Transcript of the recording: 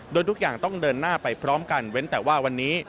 โดยทุกอย่างต้องเดินหน้าไปพร้อมกันเว้นแต่ว่าวันนี้